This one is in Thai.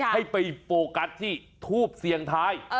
ให้ไปโฟกัสที่ทูปเสียงท้าย